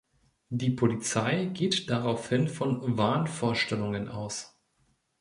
Die Polizei geht daraufhin von Wahnvorstellungen aus.